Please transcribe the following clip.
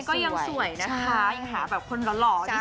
เพราะเธอเองก็ยังสวยนะคะ